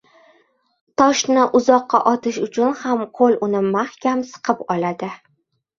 Toshni uzoqqa otish uchun ham qo‘l uni mahkam siqib oladi.